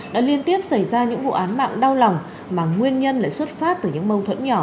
đã liên tiếp xảy ra những vụ án mạng đau lòng mà nguyên nhân lại xuất phát từ những mâu thuẫn nhỏ